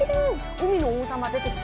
海の王様、出てきた。